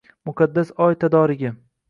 Muqaddas oy tadorigi